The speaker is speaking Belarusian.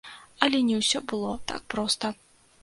Але не ўсё было так проста.